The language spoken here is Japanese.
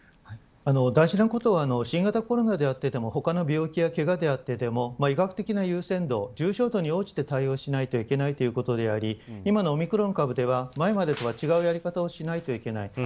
大事なことは新型コロナであっても他の病気やけがであっても医学的な優先度、重症度に応じて対応しなくてはいけないということであり今のオミクロン株では前までとは違うやり方をしないといけない。